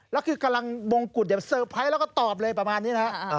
แล้วคือกำลังมงกุฎอย่าเตอร์ไพรส์แล้วก็ตอบเลยประมาณนี้นะฮะ